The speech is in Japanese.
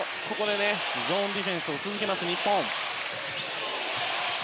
ゾーンディフェンスを続けます、日本。